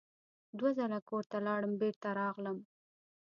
دوه ځله کور ته لاړم بېرته راغلم.